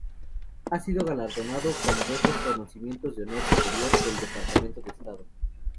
Ha sido galardonado con dos reconocimientos de Honor Superior del Departamento de Estado.